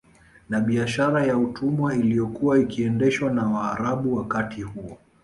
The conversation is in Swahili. Na biashara ya utumwa iliyokuwa ikiendeshwa na Waarabu wakati huo